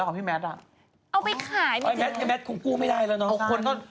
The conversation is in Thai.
ไอ้แมทคงกู้ไม่ได้แล้วเนาะ